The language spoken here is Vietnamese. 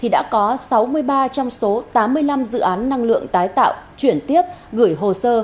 đã có sáu mươi ba trong số tám mươi năm dự án năng lượng tái tạo chuyển tiếp gửi hồ sơ